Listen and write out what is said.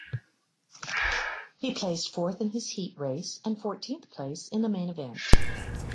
He placed fourth in his heat race and fourteenth place in the main event.